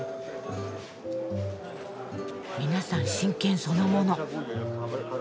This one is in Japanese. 皆さん真剣そのもの。